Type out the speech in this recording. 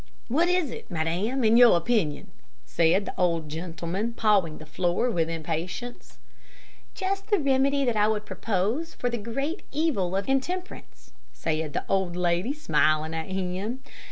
'" "And what is it, what is it, madame, in your opinion?" said the old gentleman, pawing the floor with impatience. "Just the remedy that I would propose for the great evil of intemperance," said the old lady, smiling at him.